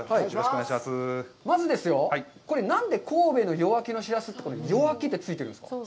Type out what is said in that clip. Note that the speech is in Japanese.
まずですよ、これ、何で神戸夜明けのしらすって“夜明け”ってついているんですか。